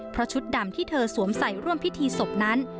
เพราะชุดดำที่เธอสวมใส่ร่วมพิธีศพนั้น